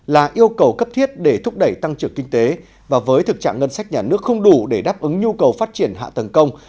là yêu cầu cấp thiết để thúc đẩy tăng trưởng kinh tế và với thực trạng ngân sách nhà nước không đủ để đáp ứng nhu cầu phát triển hạ tầng công